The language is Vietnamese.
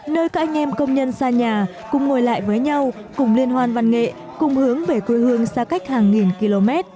nơi các anh em công nhân xa nhà cùng ngồi lại với nhau cùng liên hoan văn nghệ cùng hướng về quê hương xa cách hàng nghìn km